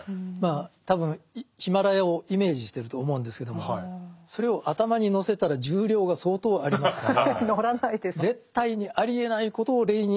多分ヒマラヤをイメージしてると思うんですけどもそれを頭に載せたら重量が相当ありますから。